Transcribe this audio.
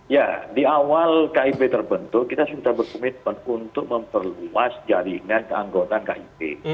ya di awal kib terbentuk kita sudah berkomitmen untuk memperluas jaringan keanggotaan kib